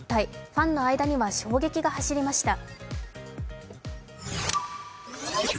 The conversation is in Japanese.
ファンの間には衝撃が走りました。